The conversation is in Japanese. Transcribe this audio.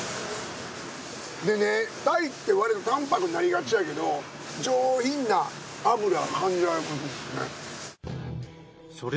でね鯛ってわりと淡白になりがちやけど上品な脂が感じられる。